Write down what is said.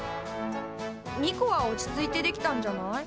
ニコは落ち着いてできたんじゃない？